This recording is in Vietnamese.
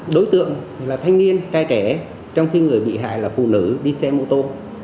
đối tượng là thanh niên trai trẻ trong khi người bị hại là phụ nữ đi xe mô tô